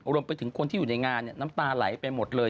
รวมไปถึงคนที่อยู่ในงานน้ำตาไหลไปหมดเลย